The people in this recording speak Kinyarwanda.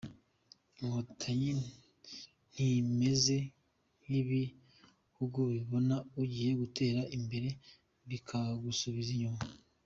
Inkotanyi ntimeze nk’ibihugu bibona ugiye gutera imbere bikagusubiza inyuma